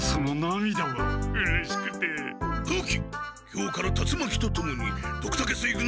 今日から達魔鬼とともにドクタケ水軍